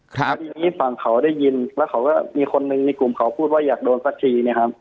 แล้วทีนี้ฝั่งเขาได้ยินแล้วเขาก็มีคนหนึ่งในกลุ่มเขาพูดว่าอยากโดนป้าชีเนี่ยครับ